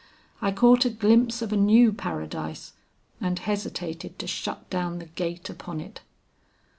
I caught a glimpse of a new paradise, and hesitated to shut down the gate upon it.